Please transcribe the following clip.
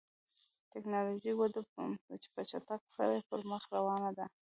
د ټکنالوژۍ وده په چټکۍ سره پر مخ روانه ده.